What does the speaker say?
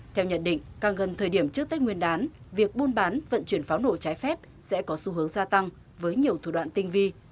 theo nhận định càng gần thời điểm trước tết nguyên đán việc buôn bán vận chuyển pháo nổ trái phép sẽ có xu hướng gia tăng với nhiều thủ đoạn tinh vi